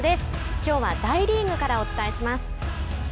きょうは大リーグからお伝えします。